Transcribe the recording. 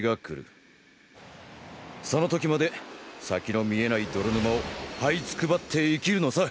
その時まで先の見えない泥沼をはいつくばって生きるのさ！